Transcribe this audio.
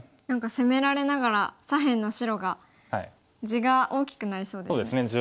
何か攻められながら左辺の白が地が大きくなりそうですね。